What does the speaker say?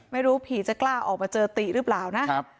ไม่รู้ผีจะกล้าออกมาเจอติหรือเปล่านะ